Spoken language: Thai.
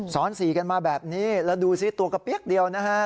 ซ้อนสี่กันมาแบบนี้แล้วดูสิตัวกระเปี๊ยกเดียวนะครับ